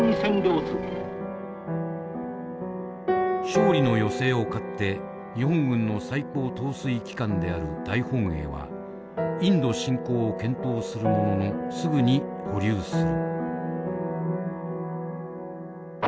勝利の余勢をかって日本軍の最高統帥機関である大本営はインド進攻を検討するもののすぐに保留する。